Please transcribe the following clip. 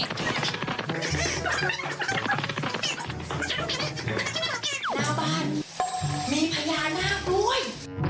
หน้าบ้านมีพญานาคด้วย